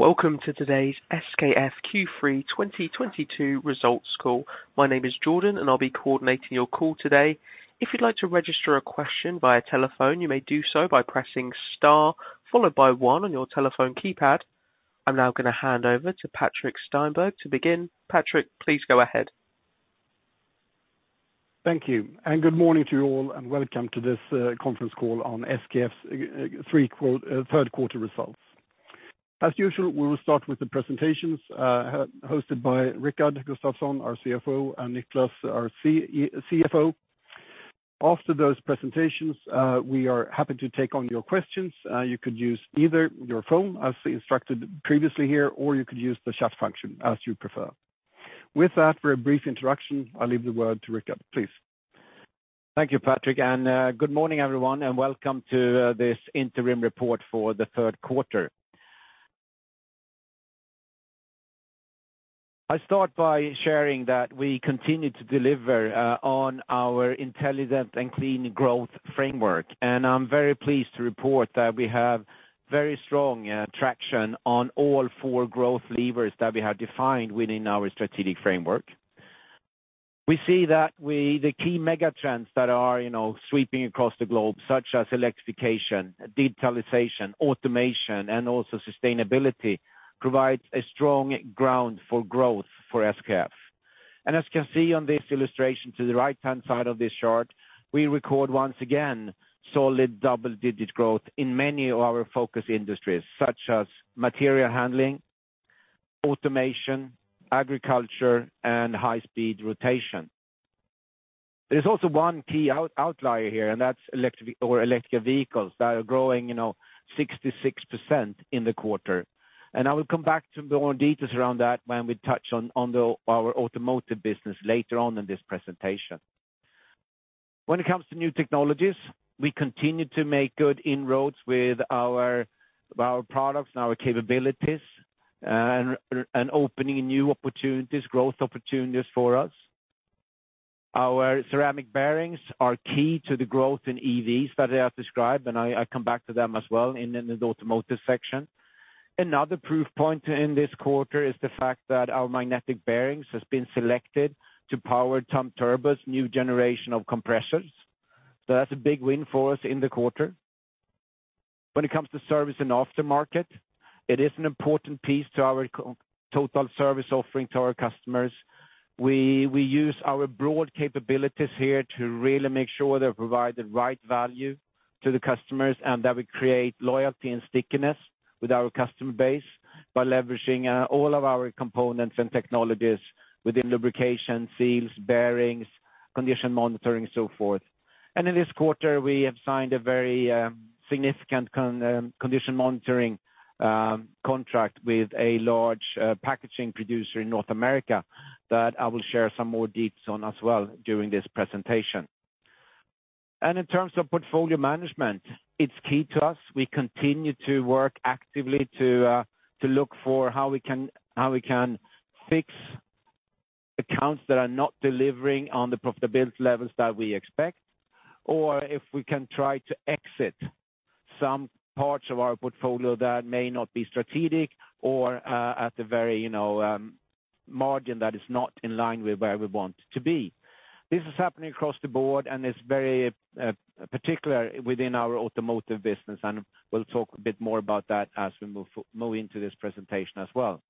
Welcome to today's SKF Q3 2022 Results Call. My name is Jordan, and I'll be coordinating your call today. If you'd like to register a question via telephone, you may do so by pressing Star followed by 1 on your telephone keypad. I'm now gonna hand over to Patrik Stenberg to begin. Patrik, please go ahead. Thank you, and good morning to you all, and welcome to this conference call on SKF's third quarter results. As usual, we will start with the presentations hosted by Rickard Gustafson, our CEO, and Niclas, our CFO. After those presentations, we are happy to take on your questions. You could use either your phone, as instructed previously here, or you could use the chat function as you prefer. With that, for a brief introduction, I leave the word to Rickard, please. Thank you, Patrik, and good morning, everyone, and welcome to this interim report for the third quarter. I start by sharing that we continue to deliver on our intelligent and clean growth framework, and I'm very pleased to report that we have very strong traction on all four growth levers that we have defined within our strategic framework. We see that the key mega trends that are, you know, sweeping across the globe, such as electrification, digitalization, automation, and also sustainability, provide a strong ground for growth for SKF. As you can see on this illustration to the right-hand side of this chart, we record once again solid double-digit growth in many of our focus industries, such as material handling, automation, agriculture, and high-speed rotation. There's also one key outlier here, and that's electric vehicles that are growing, you know, 66% in the quarter. I will come back to more details around that when we touch on our automotive business later on in this presentation. When it comes to new technologies, we continue to make good inroads with our products and our capabilities, and opening new opportunities, growth opportunities for us. Our ceramic bearings are key to the growth in EVs that I have described, and I come back to them as well in the Automotive section. Another proof point in this quarter is the fact that our magnetic bearings has been selected to power Tamturbo's new generation of compressors. That's a big win for us in the quarter. When it comes to service and aftermarket, it is an important piece to our core total service offering to our customers. We use our broad capabilities here to really make sure they provide the right value to the customers and that we create loyalty and stickiness with our customer base by leveraging all of our components and technologies within lubrication, seals, bearings, condition monitoring, so forth. In this quarter, we have signed a very significant condition monitoring contract with a large packaging producer in North America that I will share some more details on as well during this presentation. In terms of portfolio management, it's key to us. We continue to work actively to look for how we can fix accounts that are not delivering on the profitability levels that we expect. If we can try to exit some parts of our portfolio that may not be strategic or at the very, you know, margin that is not in line with where we want to be. This is happening across the board, and it's very particular within our automotive business, and we'll talk a bit more about that as we move into this presentation as well.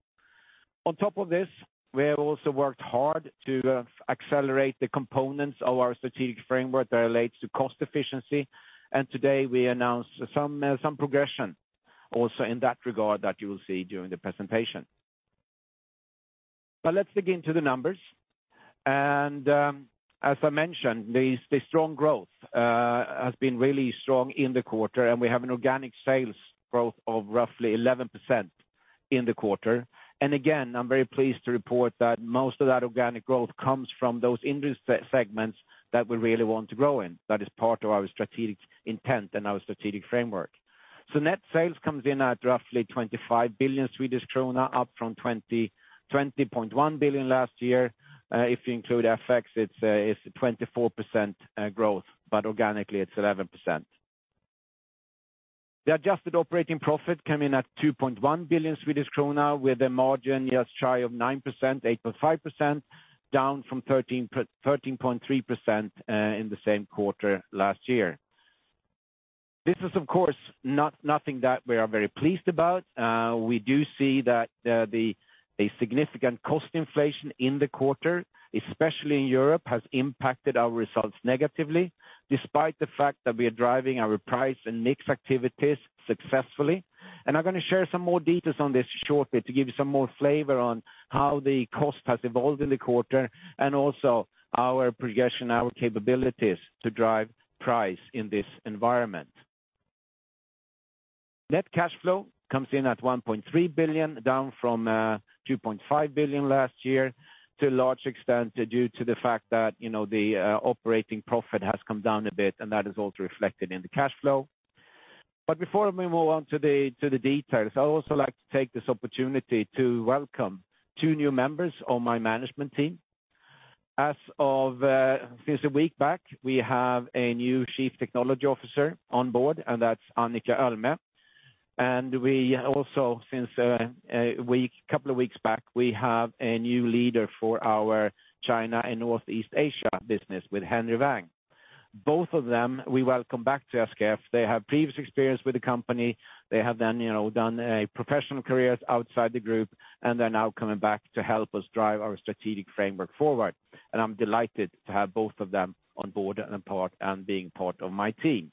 On top of this, we have also worked hard to accelerate the components of our strategic framework that relates to cost efficiency. Today, we announced some progression also in that regard that you will see during the presentation. Let's dig into the numbers. As I mentioned, the strong growth has been really strong in the quarter, and we have an organic sales growth of roughly 11% in the quarter. Again, I'm very pleased to report that most of that organic growth comes from those industry segments that we really want to grow in. That is part of our strategic intent and our strategic framework. Net sales comes in at roughly 25 billion Swedish krona, up from 20.1 billion last year. If you include FX it's 24% growth, but organically it's 11%. The adjusted operating profit came in at 2.1 billion Swedish krona with a margin just shy of 9%, 8.5%, down from 13.3% in the same quarter last year. This is of course nothing that we are very pleased about. We do see that the significant cost inflation in the quarter, especially in Europe, has impacted our results negatively despite the fact that we are driving our price and mix activities successfully. I'm gonna share some more details on this shortly to give you some more flavor on how the cost has evolved in the quarter and also our progression, our capabilities to drive price in this environment. Net cash flow comes in at 1.3 billion, down from 2.5 billion last year, to a large extent due to the fact that, you know, the operating profit has come down a bit, and that is also reflected in the cash flow. Before we move on to the details, I'd also like to take this opportunity to welcome two new members on my management team. Since a week back, we have a new Chief Technology Officer on board, and that's Annika Ölme. We also, since a week, couple of weeks back, we have a new leader for our China and Northeast Asia business with Henry Wang. Both of them, we welcome back to SKF. They have previous experience with the company. They have done, you know, a professional careers outside the group, and they're now coming back to help us drive our strategic framework forward. I'm delighted to have both of them on board and a part, and being part of my team.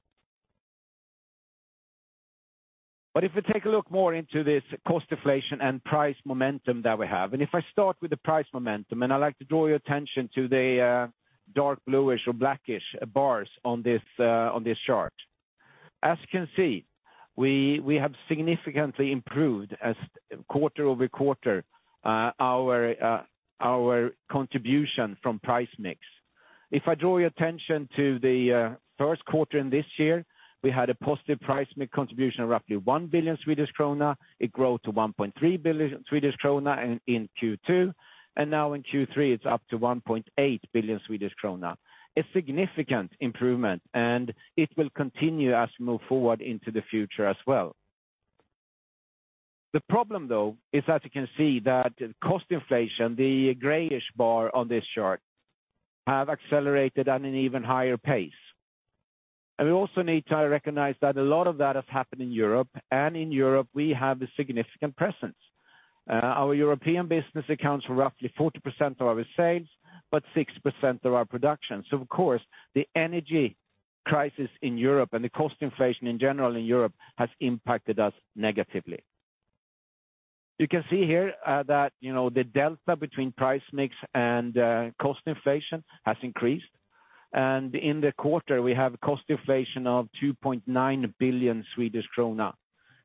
If we take a look more into this cost deflation and price momentum that we have, and if I start with the price momentum, and I like to draw your attention to the dark bluish or blackish bars on this chart. As you can see, we have significantly improved quarter-over-quarter our contribution from price mix. If I draw your attention to the first quarter in this year, we had a positive price mix contribution of roughly 1 billion Swedish krona. It grew to 1.3 billion Swedish krona in Q2. Now in Q3, it's up to 1.8 billion Swedish krona. A significant improvement, and it will continue as we move forward into the future as well. The problem, though, is as you can see that cost inflation, the grayish bar on this chart, have accelerated at an even higher pace. We also need to recognize that a lot of that has happened in Europe, and in Europe, we have a significant presence. Our European business accounts for roughly 40% of our sales, but 6% of our production. Of course, the energy crisis in Europe and the cost inflation in general in Europe has impacted us negatively. You can see here, that, you know, the delta between price mix and, cost inflation has increased. In the quarter, we have cost inflation of 2.9 billion Swedish krona,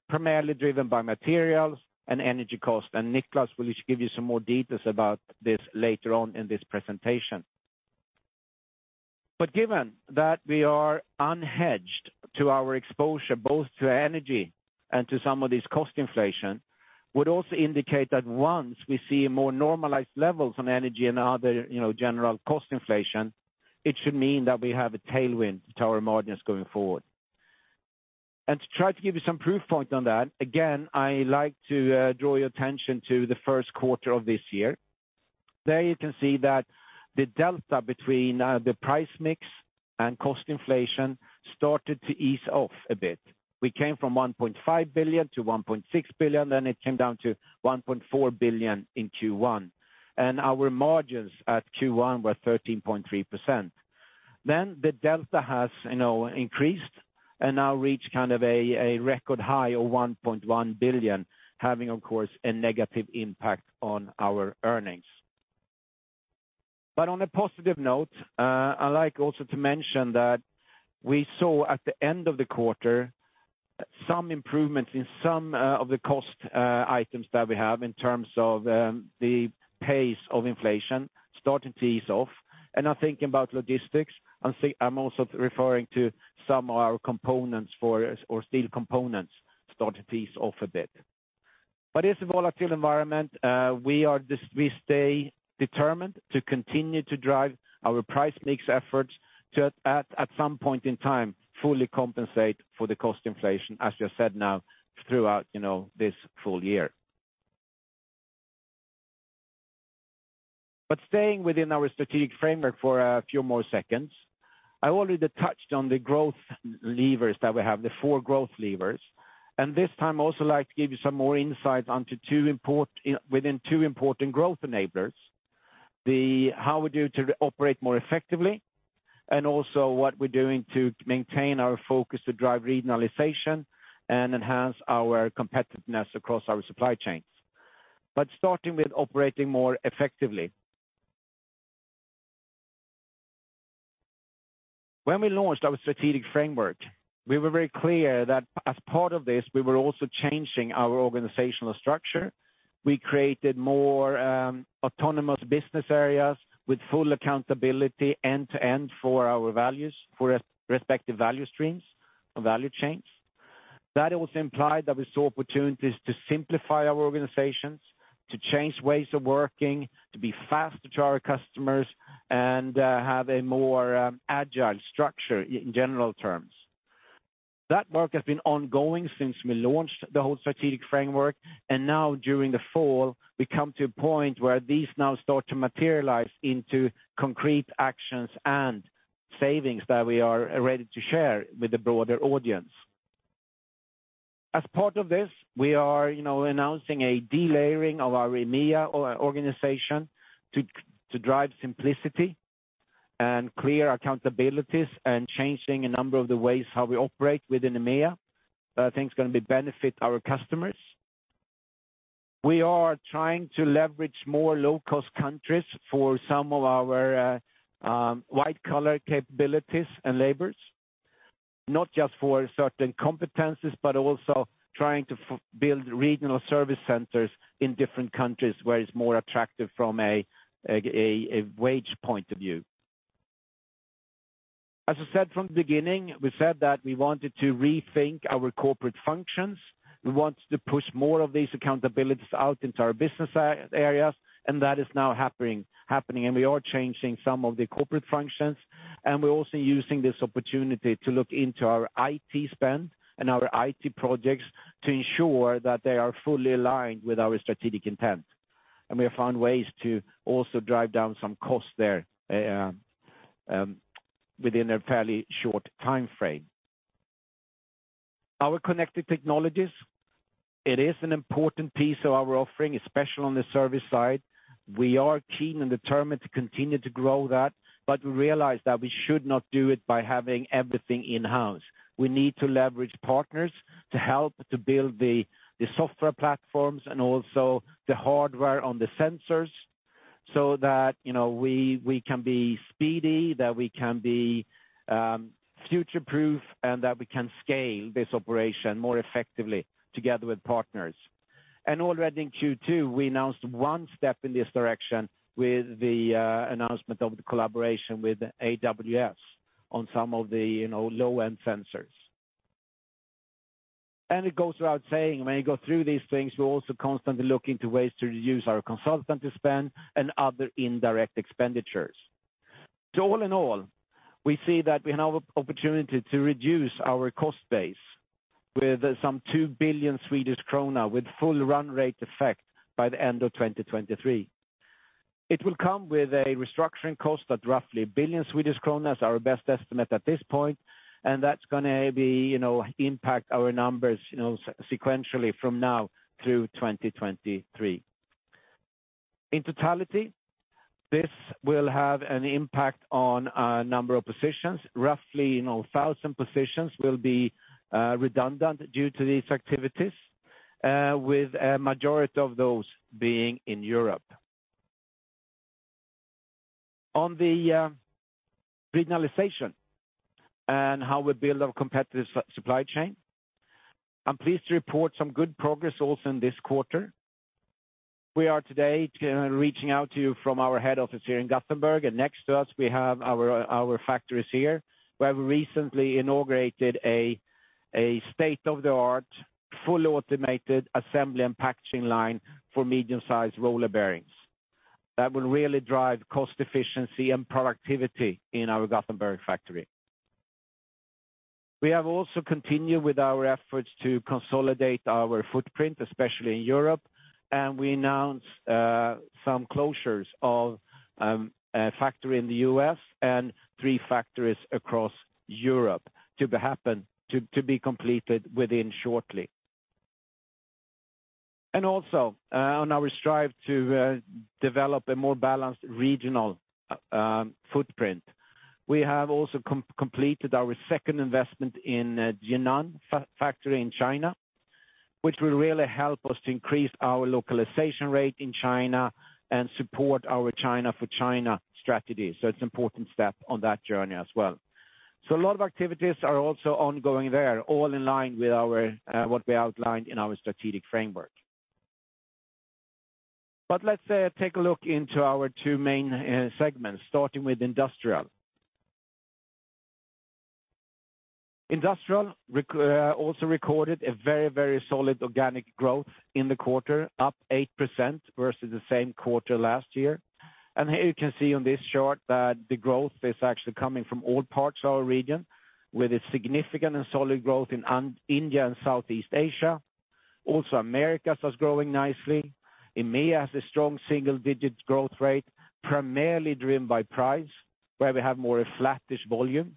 primarily driven by materials and energy costs. Niclas will give you some more details about this later on in this presentation. Given that we are unhedged to our exposure, both to energy and to some of this cost inflation, would also indicate that once we see more normalized levels on energy and other, you know, general cost inflation, it should mean that we have a tailwind to our margins going forward. To try to give you some proof point on that, again, I like to draw your attention to the first quarter of this year. There you can see that the delta between the price mix and cost inflation started to ease off a bit. We came from 1.5 billion-1.6 billion, then it came down to 1.4 billion in Q1. Our margins at Q1 were 13.3%. The delta has increased and now reached a record high of 1.1 billion, having, of course, a negative impact on our earnings. On a positive note, I like also to mention that we saw at the end of the quarter some improvement in some of the cost items that we have in terms of the pace of inflation starting to ease off. I'm thinking about logistics. I'm also referring to some of our steel components starting to ease off a bit. It's a volatile environment. We stay determined to continue to drive our price mix efforts to at some point in time fully compensate for the cost inflation, as you said now, throughout this full year. Staying within our strategic framework for a few more seconds, I already touched on the growth levers that we have, the four growth levers. This time, I'd also like to give you some more insight into two important growth enablers. The how we do to operate more effectively, and also what we're doing to maintain our focus to drive regionalization and enhance our competitiveness across our supply chains. Starting with operating more effectively. When we launched our strategic framework, we were very clear that as part of this, we were also changing our organizational structure. We created more, autonomous business areas with full accountability end to end for our values, for respective value streams or value chains. That also implied that we saw opportunities to simplify our organizations, to change ways of working, to be faster to our customers, and have a more agile structure in general terms. That work has been ongoing since we launched the whole strategic framework, and now during the fall, we come to a point where these now start to materialize into concrete actions and savings that we are ready to share with the broader audience. As part of this, we are, you know, announcing a delayering of our EMEA organization to drive simplicity and clear accountabilities and changing a number of the ways how we operate within EMEA. I think it's gonna benefit our customers. We are trying to leverage more low-cost countries for some of our white-collar capabilities and labors, not just for certain competencies, but also trying to build regional service centers in different countries where it's more attractive from a wage point of view. As I said from the beginning, we said that we wanted to rethink our corporate functions. We wanted to push more of these accountabilities out into our business areas, and that is now happening. We are changing some of the corporate functions, and we're also using this opportunity to look into our IT spend and our IT projects to ensure that they are fully aligned with our strategic intent. We have found ways to also drive down some costs there, within a fairly short time frame. Our connected technologies, it is an important piece of our offering, especially on the service side. We are keen and determined to continue to grow that, but realize that we should not do it by having everything in-house. We need to leverage partners to help to build the software platforms and also the hardware on the sensors so that, you know, we can be speedy, that we can be future-proof, and that we can scale this operation more effectively together with partners. Already in Q2, we announced one step in this direction with the announcement of the collaboration with AWS on some of the, you know, low-end sensors. It goes without saying when you go through these things, we're also constantly looking to ways to reduce our consultancy spend and other indirect expenditures. All in all, we see that we have an opportunity to reduce our cost base with some 2 billion Swedish krona with full run rate effect by the end of 2023. It will come with a restructuring cost at roughly 1 billion Swedish kronor, is our best estimate at this point, and that's gonna be, you know, impact our numbers, you know, sequentially from now through 2023. In totality, this will have an impact on a number of positions. Roughly, you know, 1,000 positions will be redundant due to these activities, with a majority of those being in Europe. On the regionalization and how we build our competitive supply chain, I'm pleased to report some good progress also in this quarter. We are today reaching out to you from our head office here in Gothenburg, and next to us we have our factories here. We have recently inaugurated a state-of-the-art, fully automated assembly and packaging line for medium-sized roller bearings. That will really drive cost efficiency and productivity in our Gothenburg factory. We have also continued with our efforts to consolidate our footprint, especially in Europe, and we announced some closures of a factory in the U.S. and three factories across Europe to be completed shortly. Also, on our strive to develop a more balanced regional footprint, we have also completed our second investment in Jinan factory in China, which will really help us to increase our localization rate in China and support our China for China strategy. It's an important step on that journey as well. A lot of activities are also ongoing there, all in line with what we outlined in our strategic framework. Let's take a look into our two main segments, starting with Industrial. Industrial also recorded a very solid organic growth in the quarter, up 8% versus the same quarter last year. Here you can see on this chart that the growth is actually coming from all parts of our region, with a significant and solid growth in India and Southeast Asia. Also, Americas was growing nicely. EMEA has a strong single-digit growth rate, primarily driven by price, where we have more a flattish volume.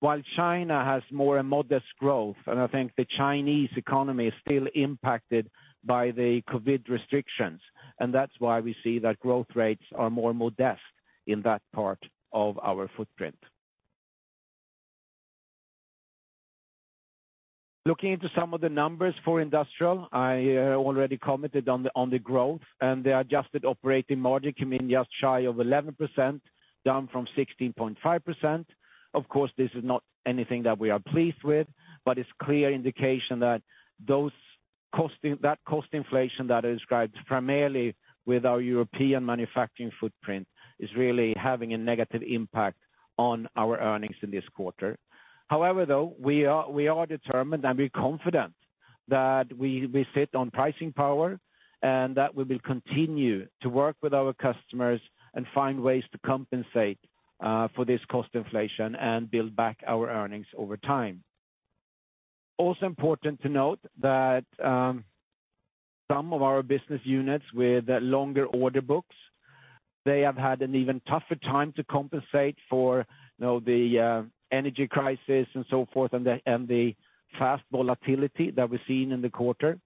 While China has more of a modest growth, and I think the Chinese economy is still impacted by the COVID restrictions, and that's why we see that growth rates are more modest in that part of our footprint. Looking into some of the numbers for Industrial, I already commented on the growth. The adjusted operating margin came in just shy of 11%, down from 16.5%. Of course, this is not anything that we are pleased with, but it's clear indication that that cost inflation that I described primarily with our European manufacturing footprint is really having a negative impact on our earnings in this quarter. However, we are determined, and we're confident that we sit on pricing power and that we will continue to work with our customers and find ways to compensate for this cost inflation and build back our earnings over time. Also important to note that some of our business units with longer order books, they have had an even tougher time to compensate for, you know, the energy crisis and so forth, and the fast volatility that we're seeing in the quarter.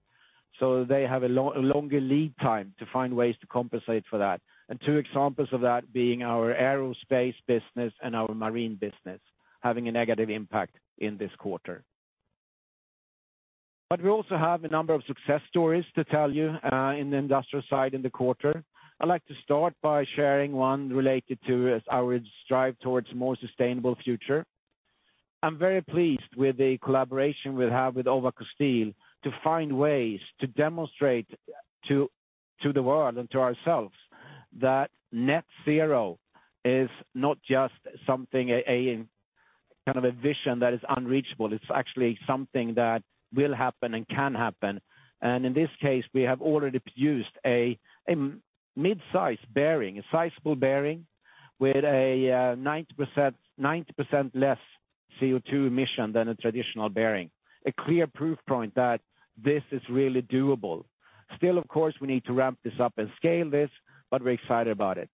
They have a longer lead time to find ways to compensate for that. Two examples of that being our aerospace business and our marine business having a negative impact in this quarter. We also have a number of success stories to tell you in the Industrial side in the quarter. I'd like to start by sharing one related to our strive towards a more sustainable future. I'm very pleased with the collaboration we have with Ovako to find ways to demonstrate to the world and to ourselves that net-zero is not just something, a kind of a vision that is unreachable. It's actually something that will happen and can happen. In this case, we have already produced a mid-size bearing, a sizable bearing with a 90% less CO2 emission than a traditional bearing. A clear proof point that this is really doable. Still, of course, we need to ramp this up and scale this, but we're excited about it.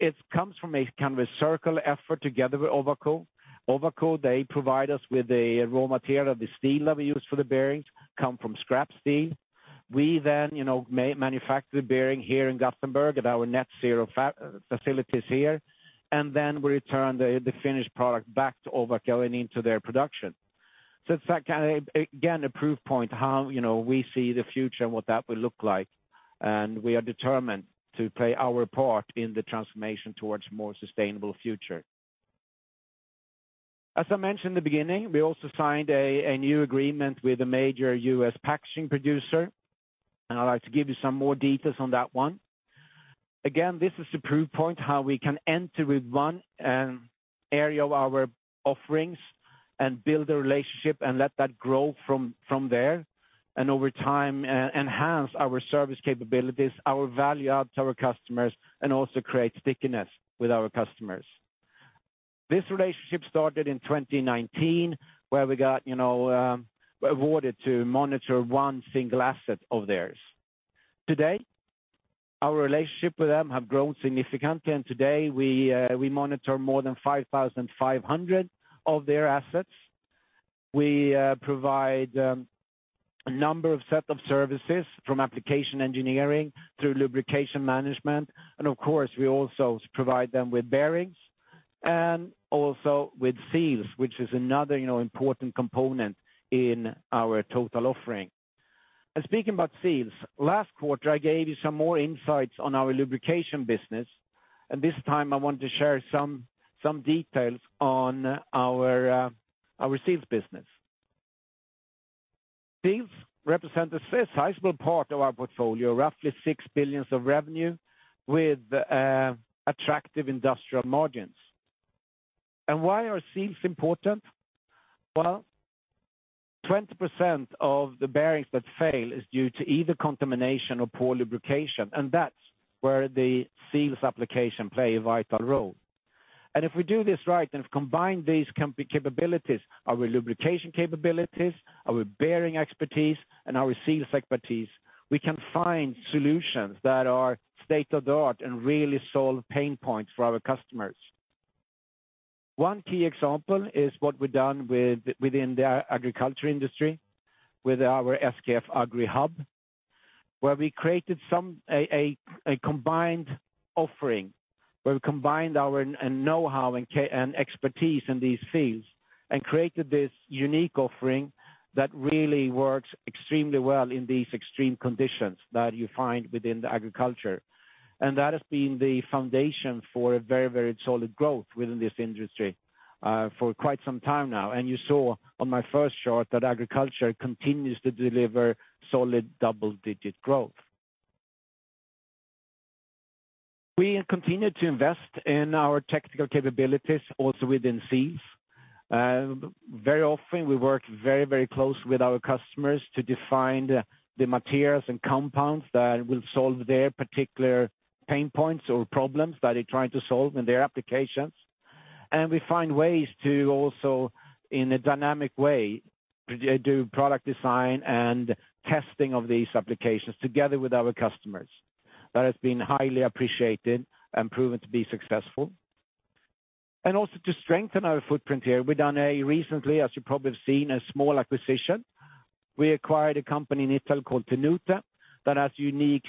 It comes from a kind of a circular effort together with Ovako. Ovako, they provide us with the raw material, the steel that we use for the bearings come from scrap steel. We then, you know, manufacture the bearing here in Gothenburg at our net-zero facilities here, and then we return the finished product back to Ovako and into their production. It's, like, again, a proof point how, you know, we see the future and what that will look like, and we are determined to play our part in the transformation towards more sustainable future. As I mentioned in the beginning, we also signed a new agreement with a major U.S. packaging producer, and I'd like to give you some more details on that one. Again, this is a proof point how we can enter with one area of our offerings and build a relationship and let that grow from there, and over time, enhance our service capabilities, our value add to our customers, and also create stickiness with our customers. This relationship started in 2019, where we got, you know, awarded to monitor one single asset of theirs. Today, our relationship with them have grown significantly, and today we monitor more than 5,500 of their assets. We provide a number of set of services from application engineering through lubrication management, and of course we also provide them with bearings and also with seals, which is another, you know, important component in our total offering. Speaking about seals, last quarter, I gave you some more insights on our lubrication business, and this time I want to share some details on our seals business. Seals represent a sizable part of our portfolio, roughly 6 billion of revenue with attractive industrial margins. Why are seals important? Well, 20% of the bearings that fail is due to either contamination or poor lubrication, and that's where the seals application play a vital role. If we do this right, and if combined these capabilities, our lubrication capabilities, our bearing expertise, and our seals expertise, we can find solutions that are state-of-the-art and really solve pain points for our customers. One key example is what we've done within the agriculture industry with our SKF Agri Hub, where we created a combined offering, where we combined our know-how and expertise in these fields and created this unique offering that really works extremely well in these extreme conditions that you find within the agriculture. That has been the foundation for a very solid growth within this industry for quite some time now. You saw on my first chart that agriculture continues to deliver solid double-digit growth. We continue to invest in our technical capabilities also within seals. Very often we work very close with our customers to define the materials and compounds that will solve their particular pain points or problems that they're trying to solve in their applications. We find ways to also, in a dynamic way, do product design and testing of these applications together with our customers. That has been highly appreciated and proven to be successful. We also to strengthen our footprint here, we've done, recently, as you probably have seen, a small acquisition. We acquired a company in Italy called Tenute that has unique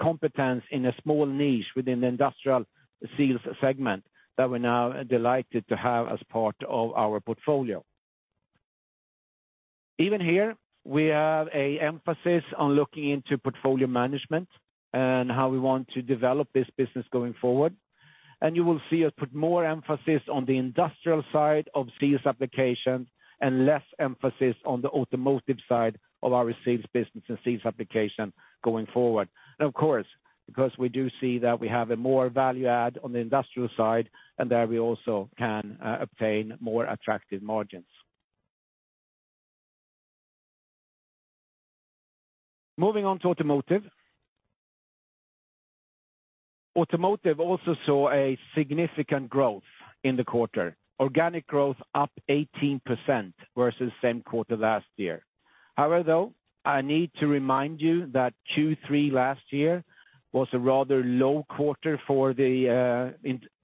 competence in a small niche within the Industrial Seals segment that we're now delighted to have as part of our portfolio. Even here, we have an emphasis on looking into portfolio management and how we want to develop this business going forward. You will see us put more emphasis on the industrial side of seals applications and less emphasis on the automotive side of our seals business and seals application going forward. Of course, because we do see that we have a more value add on the industrial side, and there we also can obtain more attractive margins. Moving on to Automotive. Automotive also saw a significant growth in the quarter. Organic growth up 18% versus same quarter last year. However, though, I need to remind you that Q3 last year was a rather low quarter for the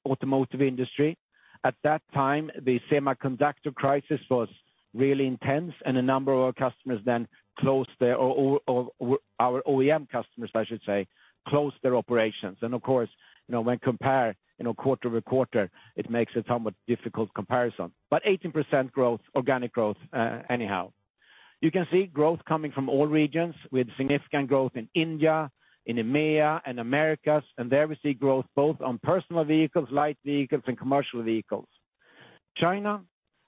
automotive industry. At that time, the semiconductor crisis was really intense and a number of our customers then closed their, or our OEM customers, I should say, closed their operations. Of course, you know, when compare, you know, quarter-over-quarter, it makes a somewhat difficult comparison. But 18% growth, organic growth, anyhow. You can see growth coming from all regions with significant growth in India, in EMEA, and Americas. There we see growth both on personal vehicles, light vehicles, and commercial vehicles. China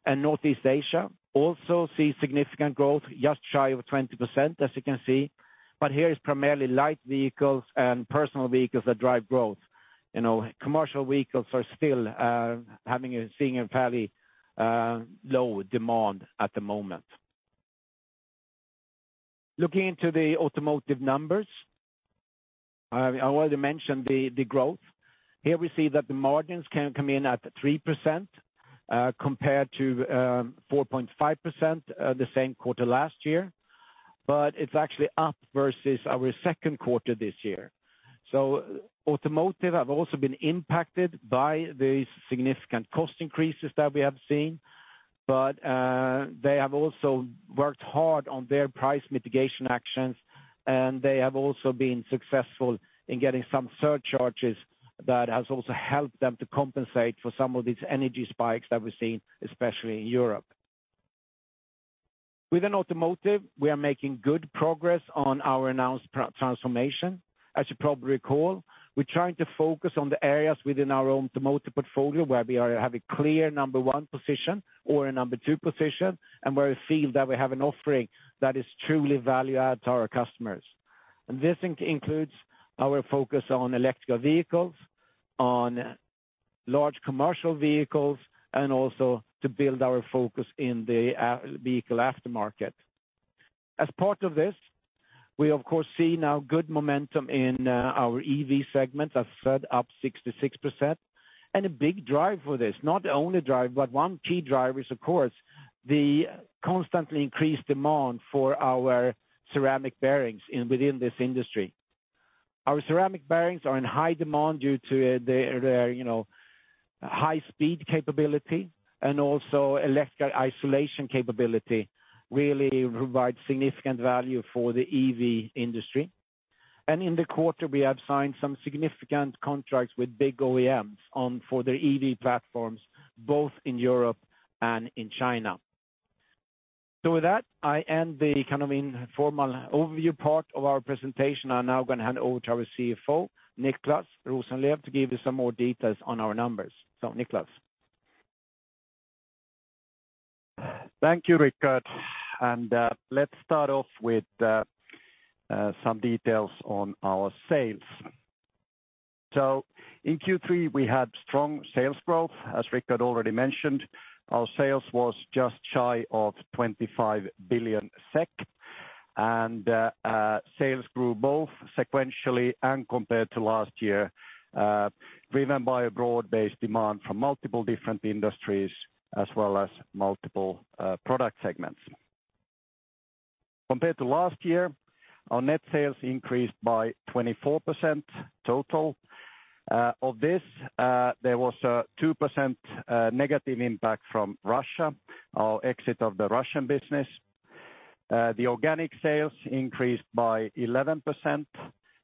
and Northeast Asia also see significant growth just shy of 20%, as you can see. Here it's primarily light vehicles and personal vehicles that drive growth. You know, commercial vehicles are still seeing a fairly low demand at the moment. Looking into the automotive numbers, I already mentioned the growth. Here we see that the margins can come in at 3% compared to 4.5% the same quarter last year. It's actually up versus our second quarter this year. Automotive have also been impacted by the significant cost increases that we have seen. They have also worked hard on their price mitigation actions, and they have also been successful in getting some surcharges that has also helped them to compensate for some of these energy spikes that we're seeing, especially in Europe. Within Automotive, we are making good progress on our announced transformation. As you probably recall, we're trying to focus on the areas within our own automotive portfolio where we have a clear number one position or a number two position, and where we feel that we have an offering that is truly value-add to our customers. This includes our focus on electric vehicles, on large commercial vehicles, and also to build our focus in the vehicle aftermarket. As part of this, we of course see now good momentum in our EV segment that's up 66%. A big drive for this, not the only drive, but one key driver is of course the constantly increased demand for our ceramic bearings within this industry. Our ceramic bearings are in high demand due to their you know high speed capability and also electrical isolation capability really provides significant value for the EV industry. In the quarter we have signed some significant contracts with big OEMs for their EV platforms, both in Europe and in China. With that, I end the kind of informal overview part of our presentation. I'm now gonna hand over to our CFO, Niclas Rosenlew, to give you some more details on our numbers. Niclas. Thank you, Rickard. Let's start off with some details on our sales. In Q3 we had strong sales growth. As Rickard already mentioned, our sales was just shy of 25 billion SEK. Sales grew both sequentially and compared to last year, driven by a broad-based demand from multiple different industries as well as multiple product segments. Compared to last year, our net sales increased by 24% total. Of this, there was a 2% negative impact from Russia, our exit of the Russian business. The organic sales increased by 11%,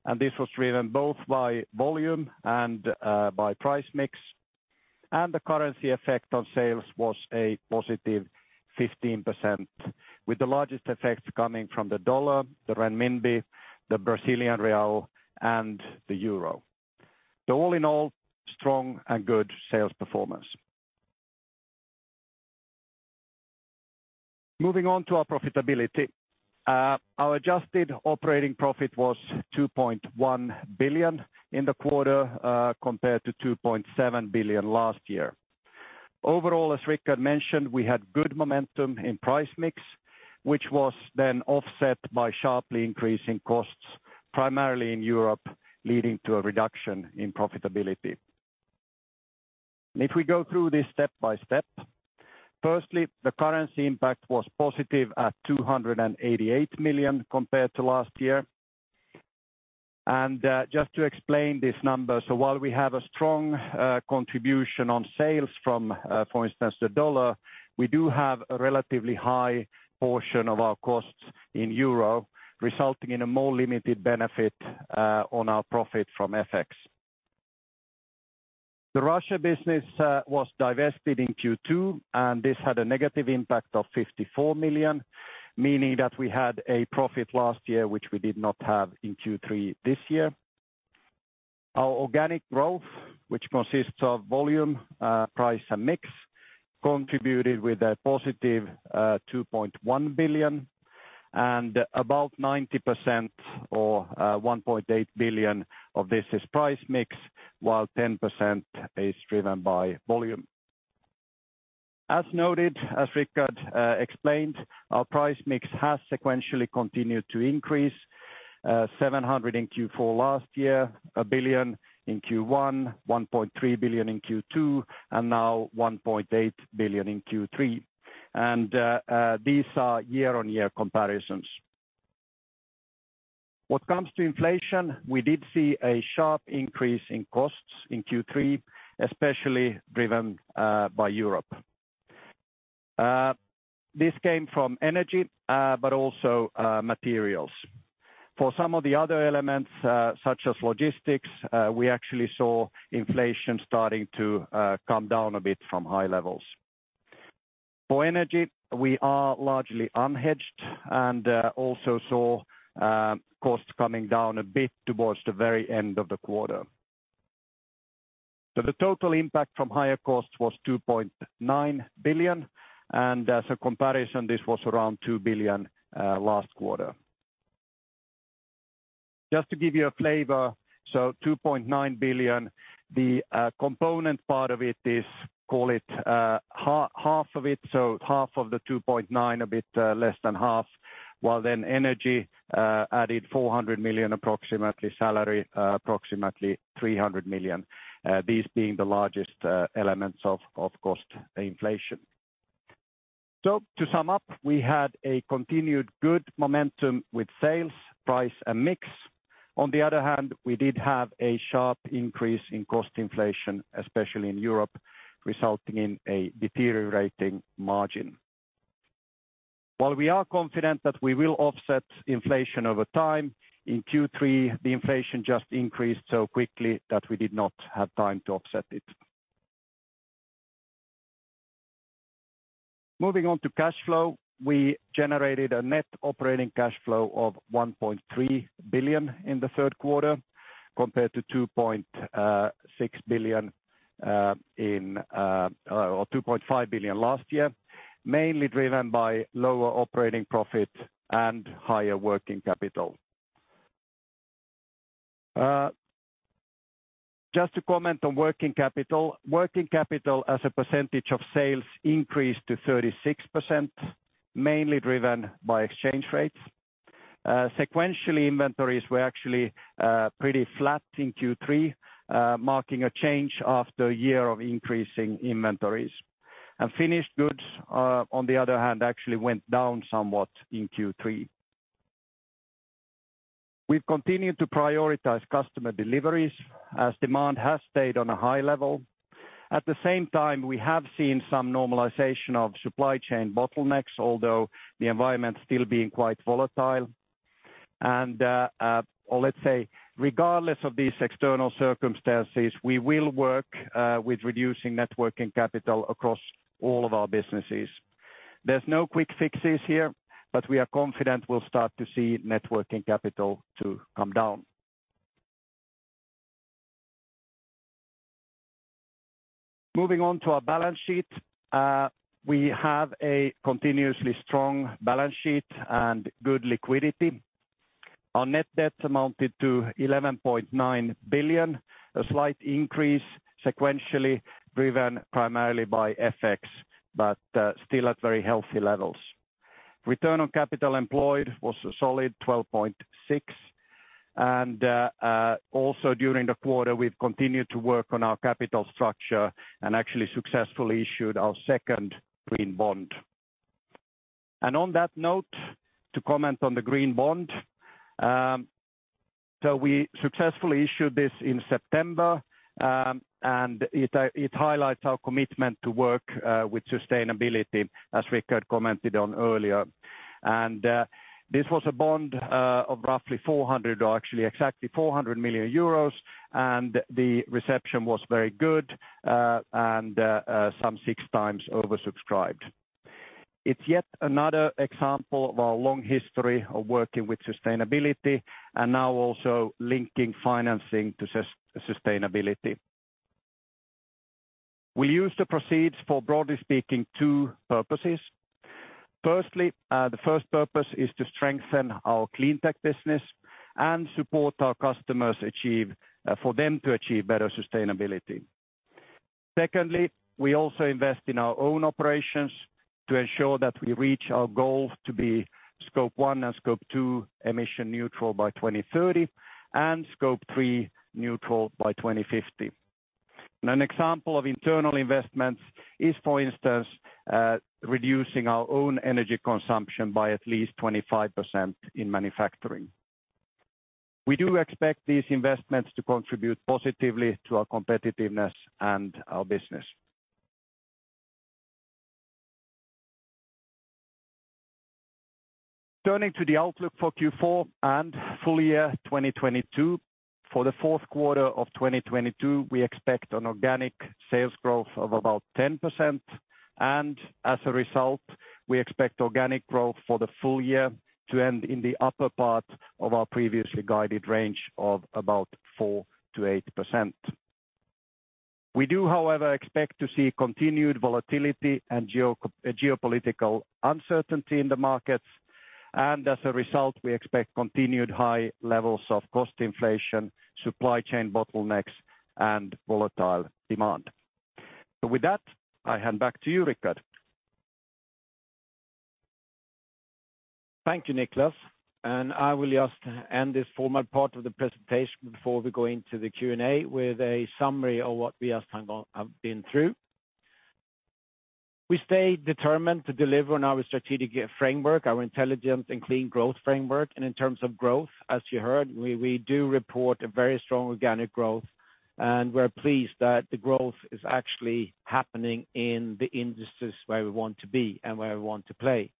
and this was driven both by volume and by price mix. The currency effect on sales was a positive 15%, with the largest effects coming from the dollar, the renminbi, the Brazilian real, and the euro. All in all, strong and good sales performance. Moving on to our profitability, our adjusted operating profit was 2.1 billion in the quarter, compared to 2.7 billion last year. Overall, as Rickard mentioned, we had good momentum in price mix, which was then offset by sharply increasing costs, primarily in Europe, leading to a reduction in profitability. If we go through this step by step, firstly, the currency impact was positive at 288 million compared to last year. Just to explain this number, so while we have a strong contribution on sales from, for instance, the dollar, we do have a relatively high portion of our costs in euro, resulting in a more limited benefit on our profit from FX. The Russia business was divested in Q2, and this had a negative impact of 54 million, meaning that we had a profit last year, which we did not have in Q3 this year. Our organic growth, which consists of volume, price, and mix, contributed with a positive 2.1 billion. About 90% or 1.8 billion of this is price mix, while 10% is driven by volume. As noted, as Rickard explained, our price mix has sequentially continued to increase, 700 million in Q4 last year, 1 billion in Q1, 1.3 billion in Q2, and now 1.8 billion in Q3. These are year-on-year comparisons. When it comes to inflation, we did see a sharp increase in costs in Q3, especially driven by Europe. This came from energy, but also materials. For some of the other elements, such as logistics, we actually saw inflation starting to come down a bit from high levels. For energy, we are largely unhedged and also saw costs coming down a bit towards the very end of the quarter. The total impact from higher costs was 2.9 billion. As a comparison, this was around 2 billion last quarter. Just to give you a flavor, 2.9 billion, the component part of it is, call it half of it, half of the 2.9 billion, a bit less than half, while then energy added 400 million, approximately salary approximately 300 million, these being the largest elements of cost inflation. To sum up, we had a continued good momentum with sales, price, and mix. On the other hand, we did have a sharp increase in cost inflation, especially in Europe, resulting in a deteriorating margin. While we are confident that we will offset inflation over time, in Q3, the inflation just increased so quickly that we did not have time to offset it. Moving on to cash flow. We generated a net operating cash flow of 1.3 billion in the third quarter, compared to 2.5 billion last year, mainly driven by lower operating profit and higher working capital. Just to comment on working capital. Working capital as a percentage of sales increased to 36%, mainly driven by exchange rates. Sequentially, inventories were actually pretty flat in Q3, marking a change after a year of increasing inventories. Finished goods, on the other hand, actually went down somewhat in Q3. We've continued to prioritize customer deliveries as demand has stayed on a high level. At the same time, we have seen some normalization of supply chain bottlenecks, although the environment still being quite volatile. Or let's say, regardless of these external circumstances, we will work with reducing net working capital across all of our businesses. There's no quick fixes here, but we are confident we'll start to see net working capital to come down. Moving on to our balance sheet. We have a continuously strong balance sheet and good liquidity. Our net debt amounted to 11.9 billion, a slight increase sequentially, driven primarily by FX, but still at very healthy levels. Return on capital employed was a solid 12.6%. Also during the quarter, we've continued to work on our capital structure and actually successfully issued our second Green Bond. On that note, to comment on the Green Bond. We successfully issued this in September, and it highlights our commitment to work with sustainability, as Rickard commented on earlier. This was a bond of roughly 400 million, or actually exactly 400 million euros, and the reception was very good, and some 6 times oversubscribed. It's yet another example of our long history of working with sustainability and now also linking financing to sustainability. We'll use the proceeds for, broadly speaking, two purposes. Firstly, the first purpose is to strengthen our clean tech business and support our customers achieve, for them to achieve better sustainability. Secondly, we also invest in our own operations to ensure that we reach our goal to be Scope 1 and Scope 2 emission neutral by 2030 and Scope 3 neutral by 2050. An example of internal investments is, for instance, reducing our own energy consumption by at least 25% in manufacturing. We do expect these investments to contribute positively to our competitiveness and our business. Turning to the outlook for Q4 and full year 2022. For the fourth quarter of 2022, we expect an organic sales growth of about 10%. As a result, we expect organic growth for the full year to end in the upper part of our previously guided range of about 4%-8%. We do, however, expect to see continued volatility and geopolitical uncertainty in the markets. As a result, we expect continued high levels of cost inflation, supply chain bottlenecks, and volatile demand. With that, I hand back to you, Rickard. Thank you, Niclas. I will just end this formal part of the presentation before we go into the Q&A with a summary of what we just have been through. We stay determined to deliver on our strategic framework, our intelligent and clean growth framework. In terms of growth, as you heard, we do report a very strong organic growth. We're pleased that the growth is actually happening in the industries where we want to be and where we want to play.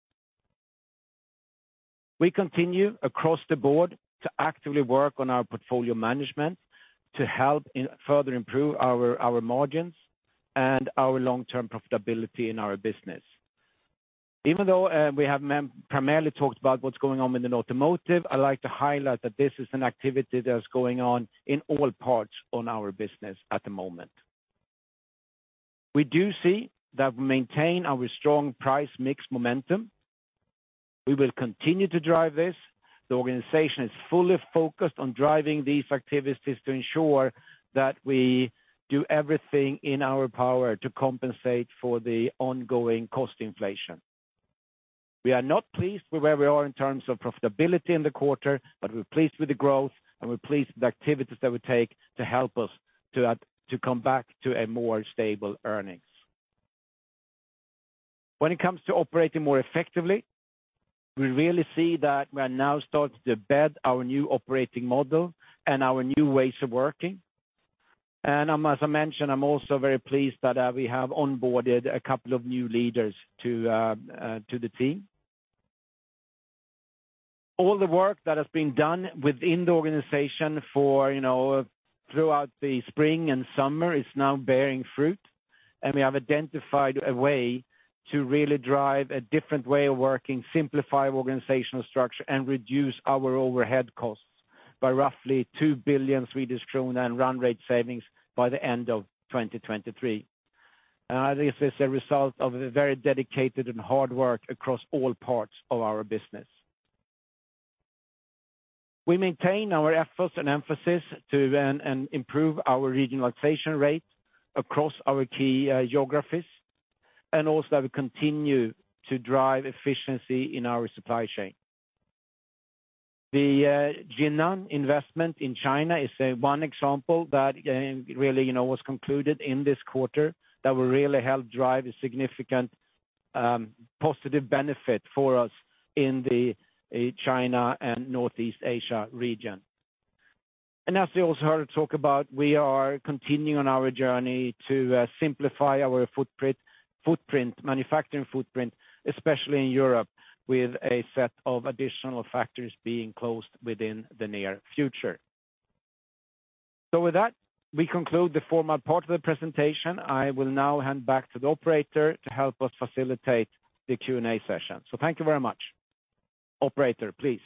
We continue across the board to actively work on our portfolio management to help further improve our margins and our long-term profitability in our business. Even though, we have primarily talked about what's going on within automotive, I like to highlight that this is an activity that's going on in all parts of our business at the moment. We do see that we maintain our strong price mix momentum. We will continue to drive this. The organization is fully focused on driving these activities to ensure that we do everything in our power to compensate for the ongoing cost inflation. We are not pleased with where we are in terms of profitability in the quarter, but we're pleased with the growth, and we're pleased with the activities that we take to help us to come back to a more stable earnings. When it comes to operating more effectively, we really see that we are now starting to embed our new operating model and our new ways of working. As I mentioned, I'm also very pleased that we have onboarded a couple of new leaders to the team. All the work that has been done within the organization for, you know, throughout the spring and summer is now bearing fruit, and we have identified a way to really drive a different way of working, simplify organizational structure, and reduce our overhead costs by roughly 2 billion Swedish krona in run rate savings by the end of 2023. This is a result of a very dedicated and hard work across all parts of our business. We maintain our efforts and emphasis to then improve our regionalization rate across our key geographies, and also continue to drive efficiency in our supply chain. The Jinan investment in China is one example that really, you know, was concluded in this quarter that will really help drive a significant positive benefit for us in the China and Northeast Asia region. As you also heard talk about, we are continuing on our journey to simplify our footprint, manufacturing footprint, especially in Europe, with a set of additional factories being closed within the near future. With that, we conclude the formal part of the presentation. I will now hand back to the operator to help us facilitate the Q&A session. Thank you very much. Operator, please.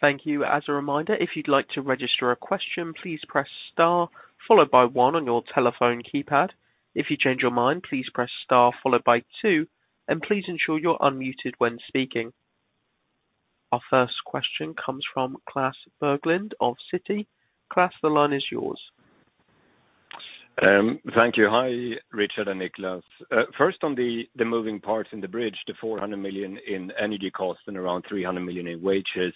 Thank you. As a reminder, if you'd like to register a question, please press star followed by 1 on your telephone keypad. If you change your mind, please press star followed by 2, and please ensure you're unmuted when speaking. Our first question comes from Klas Bergelind of Citi. Klas, the line is yours. Thank you. Hi, Rickard and Niclas. First on the moving parts in the bridge, the 400 million in energy costs and around 300 million in wages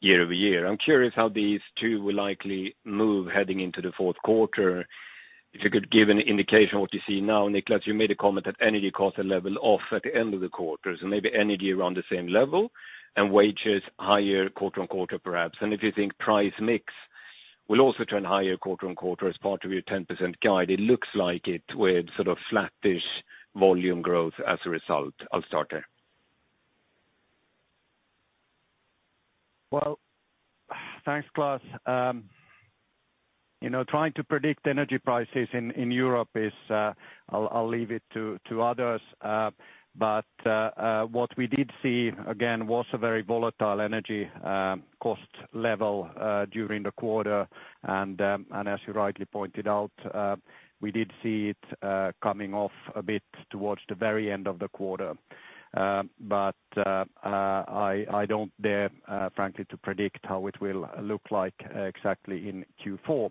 year-over-year. I'm curious how these two will likely move heading into the fourth quarter. If you could give an indication of what you see now, Niclas, you made a comment that energy costs are leveling off at the end of the quarter. Maybe energy around the same level and wages higher quarter-on-quarter, perhaps. If you think price mix will also turn higher quarter-on-quarter as part of your 10% guide. It looks like it with sort of flattish volume growth as a result. I'll start there. Well, thanks, Klas. You know, trying to predict energy prices in Europe is, I'll leave it to others. What we did see again was a very volatile energy cost level during the quarter. As you rightly pointed out, we did see it coming off a bit towards the very end of the quarter. I don't dare frankly to predict how it will look like exactly in Q4.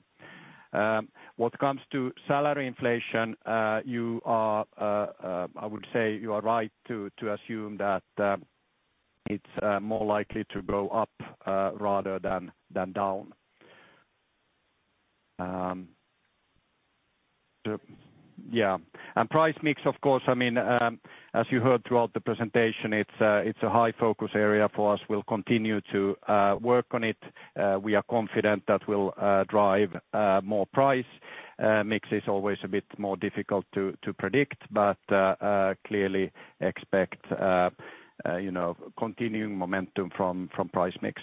What comes to salary inflation, you are, I would say you are right to assume that, it's more likely to go up rather than down. Yeah. Price mix, of course, I mean, as you heard throughout the presentation, it's a high focus area for us. We'll continue to work on it. We are confident that we'll drive more price. Mix is always a bit more difficult to predict, but we clearly expect, you know, continuing momentum from price mix.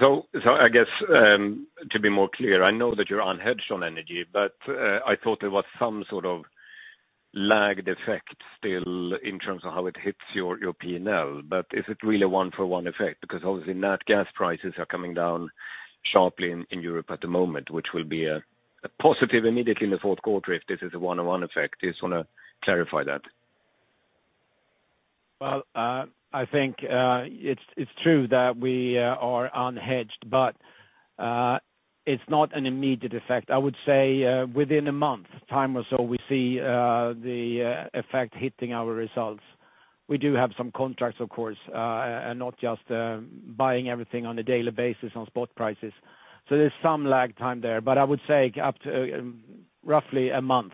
I guess to be more clear, I know that you're unhedged on energy, but I thought there was some sort of lagged effect still in terms of how it hits your P&L. Is it really a one-for-one effect? Because obviously net gas prices are coming down sharply in Europe at the moment, which will be a positive immediately in the fourth quarter if this is a one-for-one effect. Just wanna clarify that. Well, I think it's true that we are unhedged, but it's not an immediate effect. I would say within a month time or so, we see the effect hitting our results. We do have some contracts, of course, and not just buying everything on a daily basis on spot prices. There's some lag time there, but I would say up to roughly a month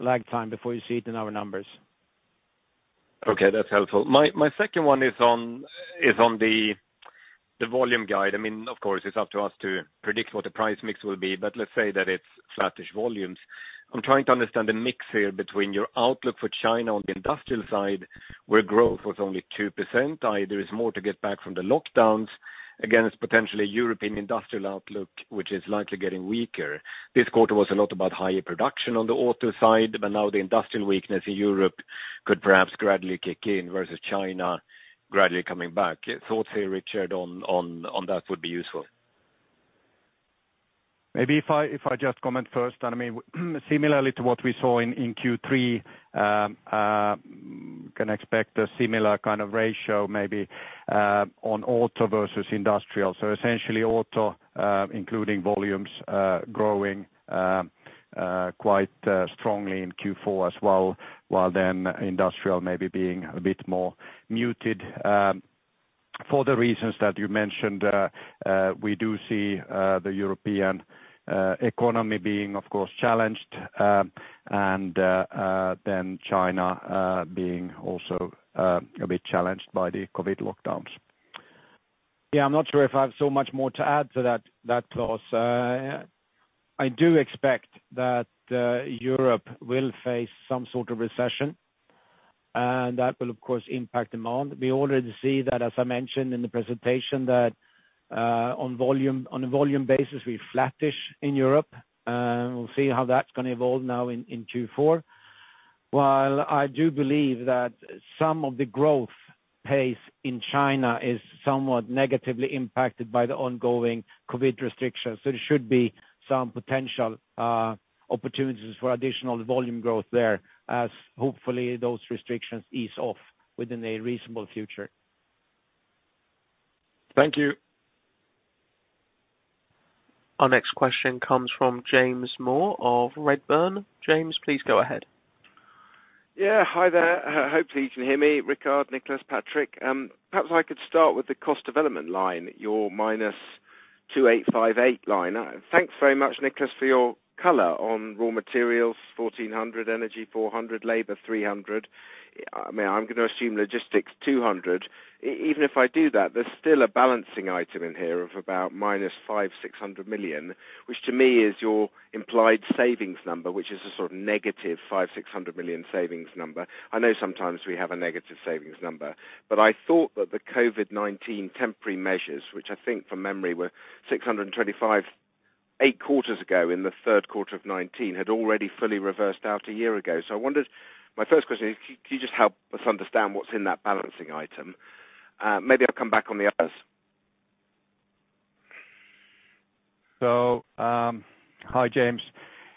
lag time before you see it in our numbers. Okay, that's helpful. My second one is on the volume guide. I mean, of course, it's up to us to predict what the price mix will be, but let's say that it's flattish volumes. I'm trying to understand the mix here between your outlook for China on the industrial side, where growth was only 2%, there is more to get back from the lockdowns against potentially European industrial outlook, which is likely getting weaker. This quarter was a lot about higher production on the auto side, but now the industrial weakness in Europe could perhaps gradually kick in versus China gradually coming back. Thoughts here, Rickard, on that would be useful. Maybe if I just comment first. I mean, similarly to what we saw in Q3, can expect a similar kind of ratio, maybe, on auto versus industrial. Essentially auto including volumes growing quite strongly in Q4 as well, while industrial maybe being a bit more muted. For the reasons that you mentioned, we do see the European economy being, of course, challenged, and then China being also a bit challenged by the COVID lockdowns. Yeah, I'm not sure if I have so much more to add to that, Niclas Rosenlew. I do expect that Europe will face some sort of recession, and that will of course impact demand. We already see that, as I mentioned in the presentation, on a volume basis, we're flattish in Europe, and we'll see how that's gonna evolve now in Q4. While I do believe that some of the growth pace in China is somewhat negatively impacted by the ongoing COVID restrictions, there should be some potential opportunities for additional volume growth there as hopefully those restrictions ease off within a reasonable future. Thank you. Our next question comes from James Moore of Redburn. James, please go ahead. Yeah. Hi there. Hopefully you can hear me, Rickard, Niclas, Patrik. Perhaps I could start with the cost development line, your -2,858 million line. Thanks very much, Niclas, for your color on raw materials, 1,400 million, energy 400 million, labor 300 million. I mean, I'm gonna assume logistics 200 million. Even if I do that, there's still a balancing item in here of about -560 million, which to me is your implied savings number, which is a sort of negative -560 million savings number. I know sometimes we have a negative savings number. I thought that the COVID-19 temporary measures, which I think from memory were 625 million eight quarters ago in the third quarter of 2019, had already fully reversed out a year ago. I wondered. My first question is can you just help us understand what's in that balancing item? Maybe I'll come back on the others. Hi, James.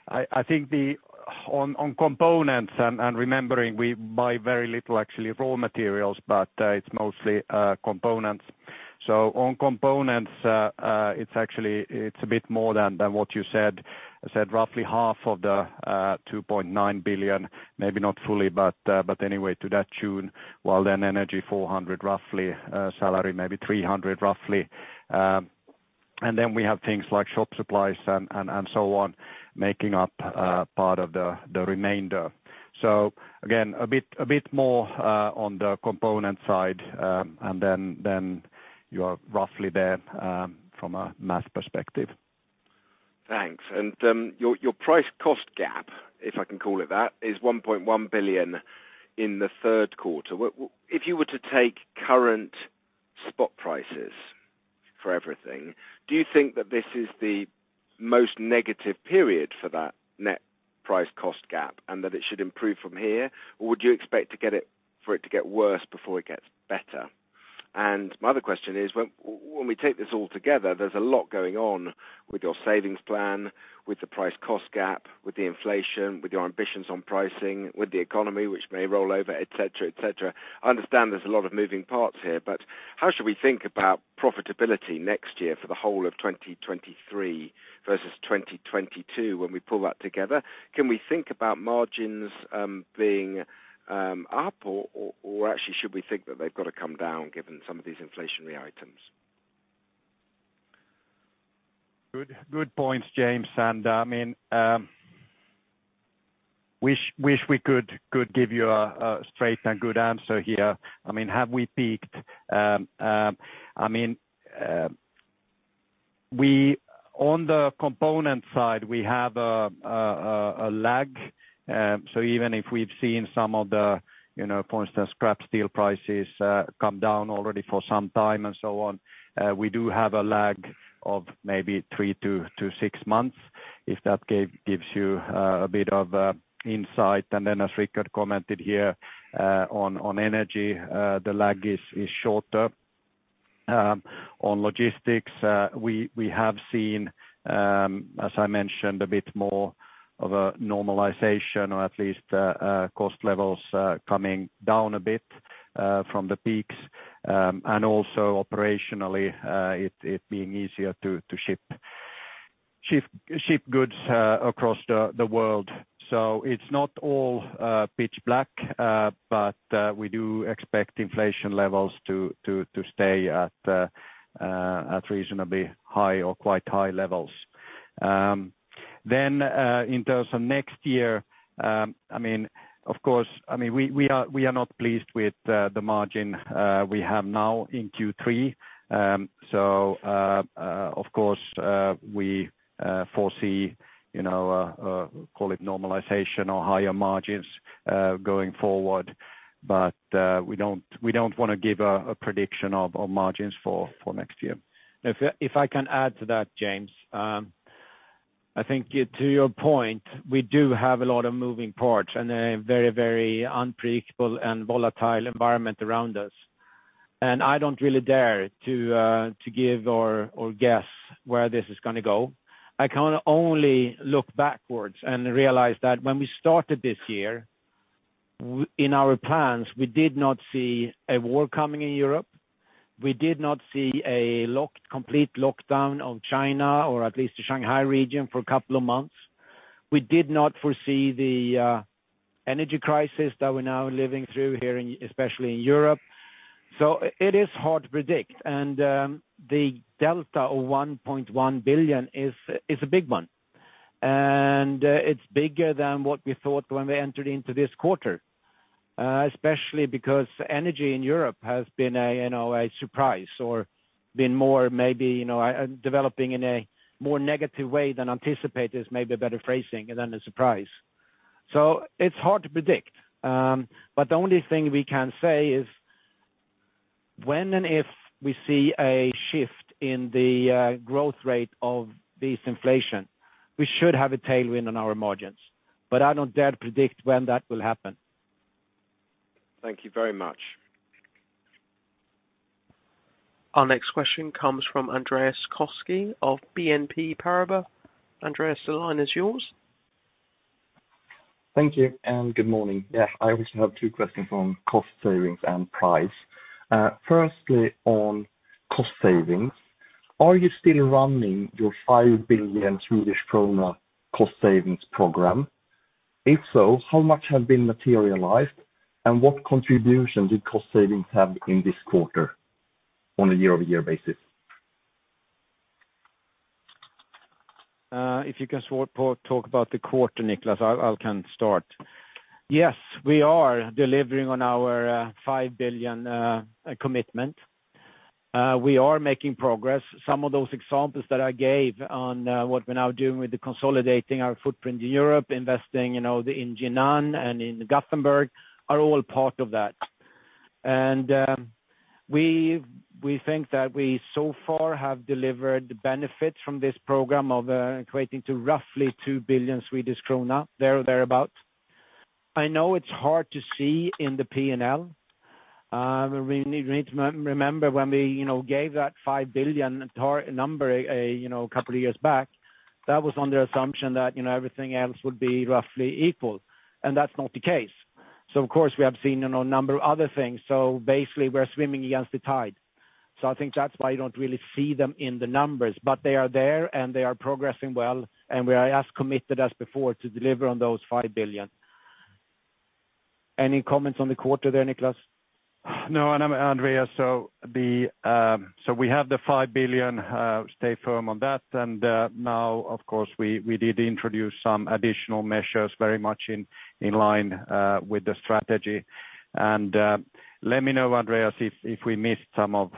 I think on components and remembering we buy very little actually raw materials, but it's mostly components. On components, it's actually a bit more than what you said. I said roughly half of the 2.9 billion, maybe not fully, but anyway, to that tune, while then energy 400 million roughly, salary maybe 300 million roughly. And then we have things like shop supplies and so on, making up part of the remainder. Again, a bit more on the component side, and then you're roughly there from a math perspective. Thanks. Your price cost gap, if I can call it that, is 1.1 billion in the third quarter. If you were to take current spot prices for everything, do you think that this is the most negative period for that net price cost gap and that it should improve from here? Or would you expect for it to get worse before it gets better? My other question is, when we take this all together, there's a lot going on with your savings plan, with the price cost gap, with the inflation, with your ambitions on pricing, with the economy, which may roll over, et cetera, et cetera. I understand there's a lot of moving parts here, but how should we think about profitability next year for the whole of 2023 versus 2022 when we pull that together? Can we think about margins being up, or actually should we think that they've gotta come down given some of these inflationary items? Good points, James. I mean, wish we could give you a straight and good answer here. I mean, have we peaked? On the component side, we have a lag. Even if we've seen some of the, you know, for instance, scrap steel prices come down already for some time and so on, we do have a lag of maybe 3-6 months, if that gives you a bit of insight. Rickard commented here, on energy, the lag is shorter. On logistics, we have seen, as I mentioned, a bit more of a normalization or at least cost levels coming down a bit from the peaks. Also operationally, it being easier to ship goods across the world. It's not all pitch black, but we do expect inflation levels to stay at reasonably high or quite high levels. In terms of next year, I mean, of course, I mean, we are not pleased with the margin we have now in Q3. Of course, we foresee, you know, call it normalization or higher margins going forward. We don't wanna give a prediction of margins for next year. I can add to that, James. I think to your point, we do have a lot of moving parts and a very unpredictable and volatile environment around us. I don't really dare to give or guess where this is gonna go. I can only look backwards and realize that when we started this year, in our plans, we did not see a war coming in Europe, we did not see a complete lockdown of China or at least the Shanghai region for a couple of months. We did not foresee the energy crisis that we're now living through here especially in Europe. It is hard to predict. The delta of 1.1 billion is a big one. It's bigger than what we thought when we entered into this quarter, especially because energy in Europe has been a, you know, a surprise or been more maybe, you know, developing in a more negative way than anticipated is maybe a better phrasing than a surprise. It's hard to predict. The only thing we can say is, when and if we see a shift in the growth rate of this inflation, we should have a tailwind on our margins. I don't dare to predict when that will happen. Thank you very much. Our next question comes from Andreas Koski of BNP Paribas. Andreas, the line is yours. Thank you, and good morning. Yeah, I also have two questions on cost savings and price. Firstly, on cost savings, are you still running your 5 billion Swedish krona cost savings program? If so, how much have been materialized, and what contribution did cost savings have in this quarter on a year-over-year basis? If you can sort of talk about the quarter, Niclas, I can start. Yes, we are delivering on our 5 billion commitment. We are making progress. Some of those examples that I gave on what we're now doing with the consolidating our footprint in Europe, investing, you know, in Jinan and in Gothenburg are all part of that. We think that we so far have delivered the benefits from this program equating to roughly 2 billion Swedish krona, there or thereabouts. I know it's hard to see in the P&L. We need to remember when we, you know, gave that 5 billion target number, you know, a couple of years back, that was under the assumption that, you know, everything else would be roughly equal, and that's not the case. Of course, we have seen, you know, a number of other things. Basically, we're swimming against the tide. I think that's why you don't really see them in the numbers. They are there, and they are progressing well, and we are as committed as before to deliver on those 5 billion. Any comments on the quarter there, Niclas? No, Andreas, we have the 5 billion, stay firm on that. Now, of course, we did introduce some additional measures very much in line with the strategy. Let me know, Andreas, if we missed some of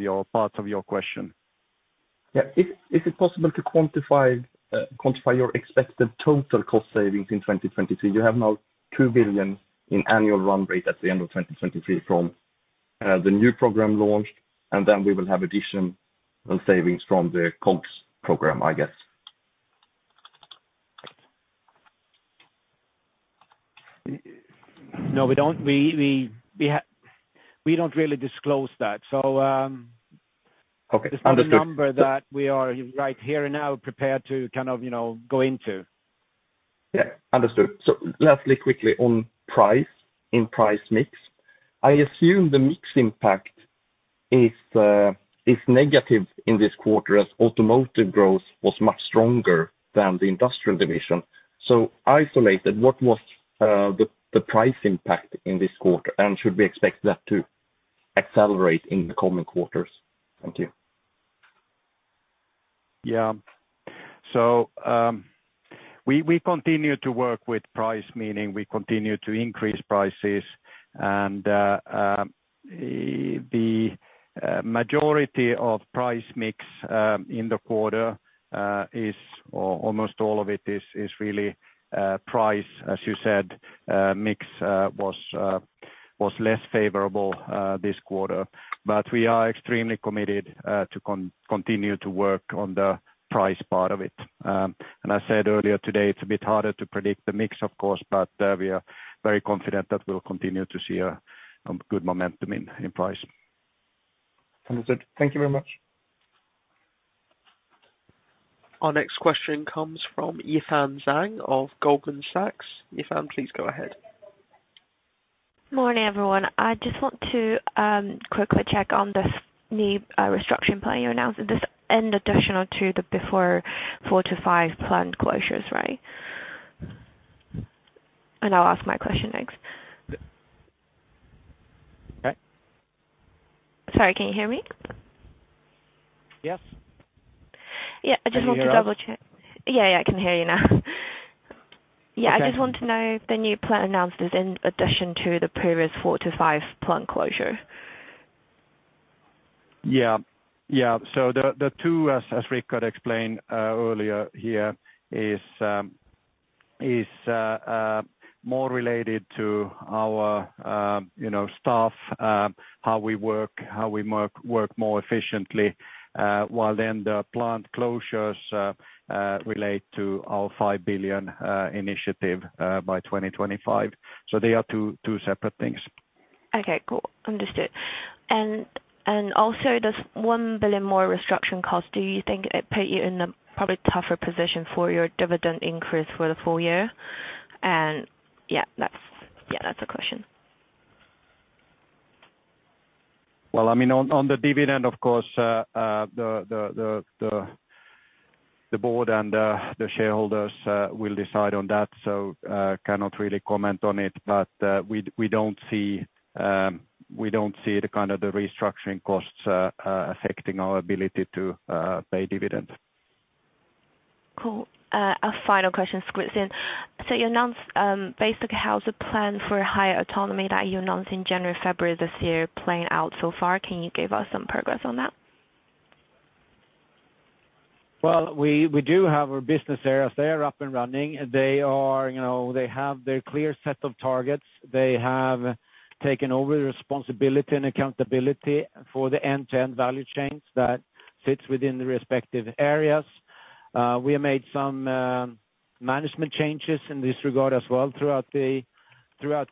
your parts of your question. Is it possible to quantify your expected total cost savings in 2023? You have now 2 billion in annual run rate at the end of 2023 from the new program launch, and then we will have additional savings from the COGS program, I guess. No, we don't. We don't really disclose that. Okay. Understood. It's not a number that we are right here and now prepared to kind of, you know, go into. Yeah, understood. Lastly, quickly on price, in price mix. I assume the mix impact is negative in this quarter as automotive growth was much stronger than the industrial division. Isolated, what was the price impact in this quarter? Should we expect that to accelerate in the coming quarters? Thank you. Yeah. We continue to work with price, meaning we continue to increase prices. The majority of price mix in the quarter is, or almost all of it is really price, as you said, mix was less favorable this quarter. We are extremely committed to continue to work on the price part of it. I said earlier today, it's a bit harder to predict the mix, of course, but we are very confident that we'll continue to see a good momentum in price. Understood. Thank you very much. Our next question comes from Yifan Zhang of Goldman Sachs. Yifan, please go ahead. Morning, everyone. I just want to quickly check on this new restructuring plan you announced. This is in addition to the previous 4-5 plant closures, right? I'll ask my question next. Sorry, can you hear me? Yes. Yeah, I just want to double check. Can you hear us? Yeah, yeah. I can hear you now. Yeah. Okay. I just want to know, the new plan announced is in addition to the previous 4-5 plant closure? The two, as Rickard explained earlier here, is more related to our you know staff, how we work more efficiently, while the plant closures relate to our 5 billion initiative by 2025. They are two separate things. Okay, cool. Understood. Also, does 1 billion more restructuring costs, do you think it put you in a probably tougher position for your dividend increase for the full year? Yeah, that's the question. Well, I mean, on the dividend, of course, the board and the shareholders will decide on that, so cannot really comment on it. We don't see the kind of restructuring costs affecting our ability to pay dividends. Cool. A final question to squeeze in. You announced, basically, how's the plan for higher autonomy that you announced in January, February this year playing out so far? Can you give us some progress on that? Well, we do have our business areas. They are up and running. They are, you know, they have their clear set of targets. They have taken over the responsibility and accountability for the end-to-end value chains that sits within the respective areas. We have made some management changes in this regard as well throughout the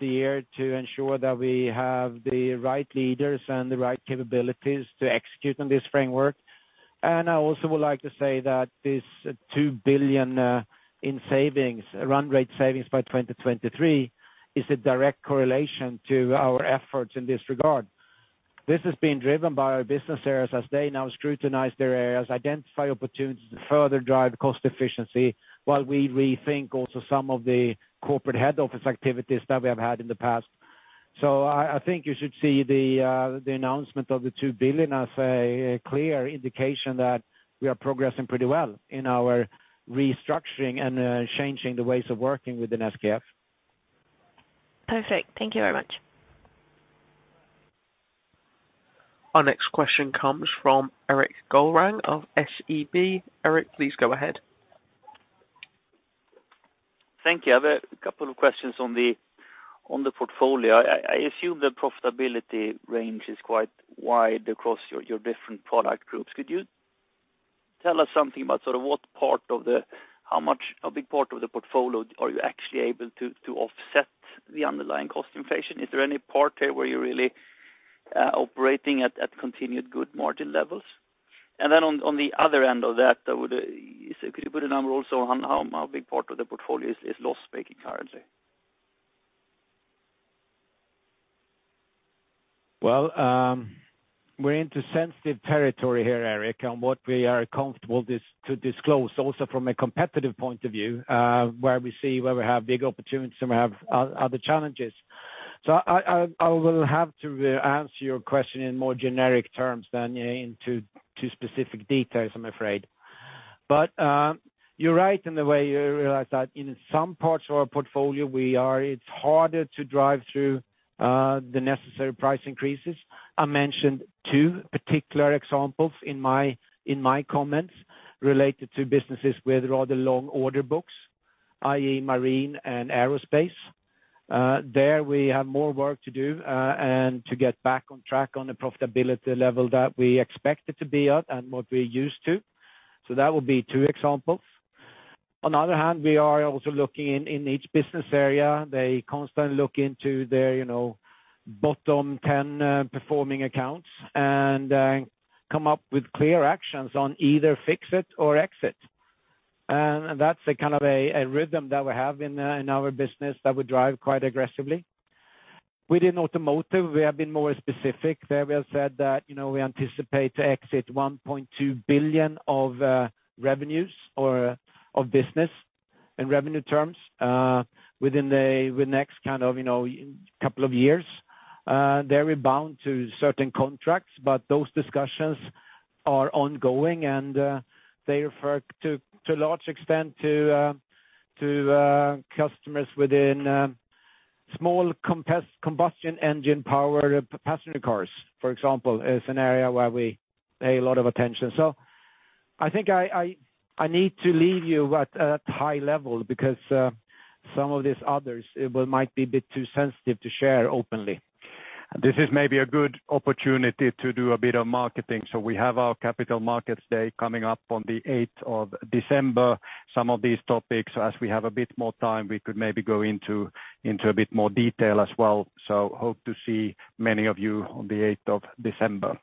year to ensure that we have the right leaders and the right capabilities to execute on this framework. I also would like to say that this 2 billion in savings, run rate savings by 2023, is a direct correlation to our efforts in this regard. This has been driven by our business areas as they now scrutinize their areas, identify opportunities to further drive cost efficiency, while we rethink also some of the corporate head office activities that we have had in the past. I think you should see the announcement of the 2 billion as a clear indication that we are progressing pretty well in our restructuring and changing the ways of working within SKF. Perfect. Thank you very much. Our next question comes from Erik Golrang of SEB. Erik, please go ahead. Thank you. I have a couple of questions on the portfolio. I assume the profitability range is quite wide across your different product groups. Could you tell us something about sort of how big a part of the portfolio are you actually able to offset the underlying cost inflation? Is there any part here where you're really operating at continued good margin levels? On the other end of that, could you put a number also on how big part of the portfolio is loss-making currently? Well, we're into sensitive territory here, Erik, on what we are comfortable to disclose also from a competitive point of view, where we have big opportunities and we have other challenges. I will have to answer your question in more generic terms than to specific details, I'm afraid. You're right in the way you realize that in some parts of our portfolio, we are it's harder to drive through the necessary price increases. I mentioned two particular examples in my comments related to businesses with rather long order books, i.e., marine and aerospace. There we have more work to do and to get back on track on the profitability level that we expect it to be at and what we're used to. That would be two examples. On the other hand, we are also looking in each business area. They constantly look into their, you know, bottom 10 performing accounts and come up with clear actions on either fix it or exit. That's a kind of a rhythm that we have in our business that we drive quite aggressively. Within Automotive, we have been more specific. There we have said that, you know, we anticipate to exit 1.2 billion of revenues or of business in revenue terms within the next kind of, you know, couple of years. There we're bound to certain contracts, but those discussions are ongoing and they refer to a large extent to customers within small combustion engine-powered passenger cars, for example, is an area where we pay a lot of attention. I think I need to leave you at high level because some of these others might be a bit too sensitive to share openly. This is maybe a good opportunity to do a bit of marketing. We have our capital markets day coming up on the 8th of December. Some of these topics, as we have a bit more time, we could maybe go into a bit more detail as well. Hope to see many of you on the 8th of December.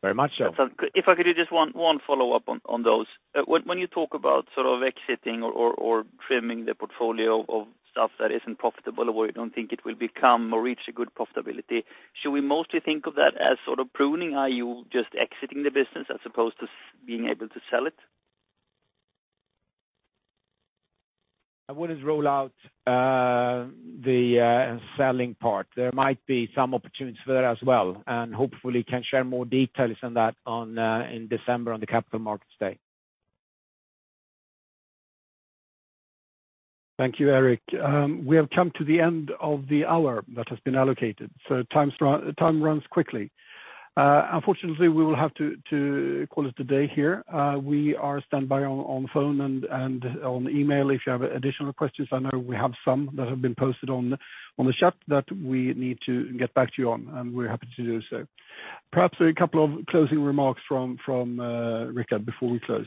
Very much so. If I could do just one follow-up on those. When you talk about sort of exiting or trimming the portfolio of stuff that isn't profitable or you don't think it will become or reach a good profitability, should we mostly think of that as sort of pruning? Are you just exiting the business as opposed to being able to sell it? I wouldn't rule out the selling part. There might be some opportunities there as well, and hopefully can share more details on that in December on the Capital Markets Day. Thank you, Erik. We have come to the end of the hour that has been allocated, so time runs quickly. Unfortunately, we will have to call it a day here. We are on standby on the phone and on email if you have additional questions. I know we have some that have been posted on the chat that we need to get back to you on, and we're happy to do so. Perhaps a couple of closing remarks from Rickard before we close.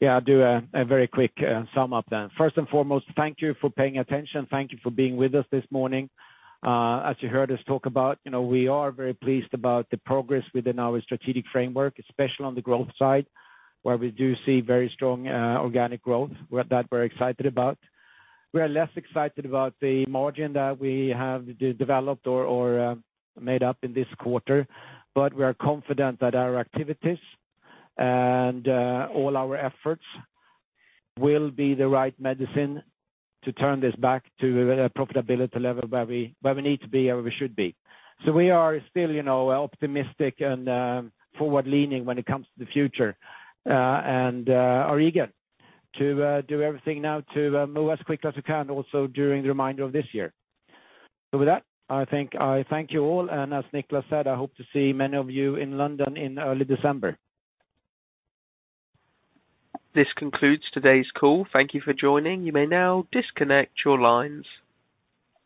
Yeah, I'll do a very quick sum up then. First and foremost, thank you for paying attention. Thank you for being with us this morning. As you heard us talk about, you know, we are very pleased about the progress within our strategic framework, especially on the growth side, where we do see very strong organic growth. We're at that, we're excited about. We are less excited about the margin that we have developed or made up in this quarter, but we are confident that our activities and all our efforts will be the right medicine to turn this back to a profitability level where we need to be and where we should be. We are still, you know, optimistic and, forward-leaning when it comes to the future, and are eager to do everything now to move as quickly as we can also during the remainder of this year. With that, I think I thank you all. As Niclas said, I hope to see many of you in London in early December. This concludes today's call. Thank you for joining. You may now disconnect your lines.